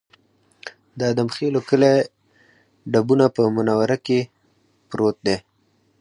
د ادم خېلو کلی ډبونه په منوره کې پروت دی